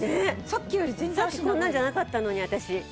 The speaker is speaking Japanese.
さっきこんなんじゃなかったのに私。